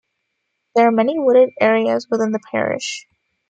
There are many wooded areas within the parish.